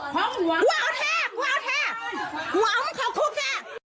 กูเอาแท้มึงขอบคุณแก